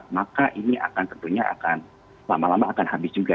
maka ini akan tentunya akan lama lama akan habis juga